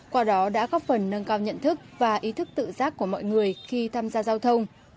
qua đó đã góp phần nâng cao nhận thức và ý thức tự giác của mọi người khi tham gia giao thông